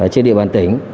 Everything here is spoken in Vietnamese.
trên địa bàn tỉnh